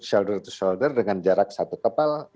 shoulder to shoulder dengan jarak satu kapal